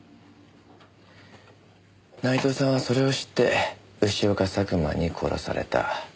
内藤さんはそれを知って潮か佐久間に殺された。